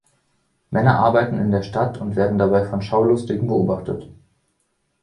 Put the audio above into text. Männer arbeiten in der Stadt und werden dabei von Schaulustigen beobachtet.